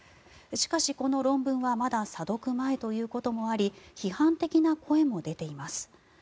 しかし、この論文はまだ査読前ということもあり批判的な声も出ています。